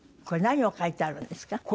これ何を描いてあるんですか？